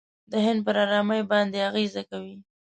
د هند پر آرامۍ باندې اغېزه کوي.